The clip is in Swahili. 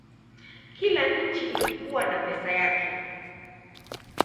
Kila nchi ilikuwa na pesa yake.